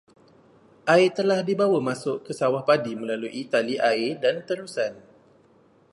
Air telah dibawa masuk ke sawah padi melalui tali air dan terusan.